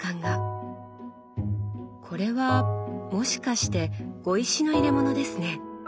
これはもしかして碁石の入れものですね。